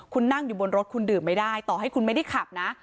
คุณนั่งอยู่บนรถคุณดื่มไม่ได้ต่อให้คุณไม่ได้ขับนะ